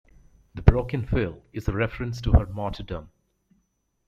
The broken wheel is a reference to her martyrdom.